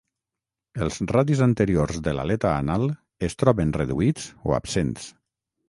Els radis anteriors de l'aleta anal es troben reduïts o absents.